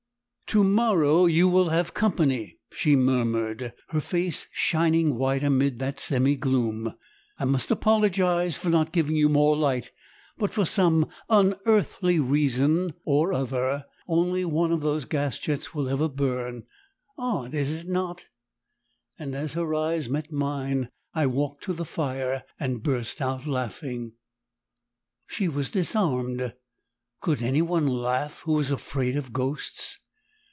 "To morrow, you will have company," she murmured, her face shining white amid that semi gloom, "I must apologise for not giving you more light, but for some UNEARTHLY reason or other only one of those gas jets will ever burn. Odd is it not?" And as her eyes met mine, I walked to the fire and burst out laughing. She was disarmed! Could any one laugh who was afraid of ghosts?